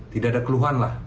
tidak ada keluhan lah